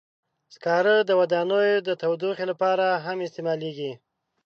سکاره د ودانیو د تودوخې لپاره هم استعمالېږي.